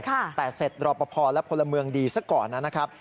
แต่เสร็จรอปภและพลเมืองดีซะก่อนนะครับ